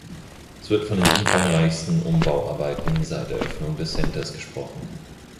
Es wird von den umfangreichsten Umbauarbeiten seit Eröffnung des Centers gesprochen.